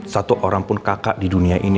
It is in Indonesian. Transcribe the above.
satu orang pun kakak di dunia ini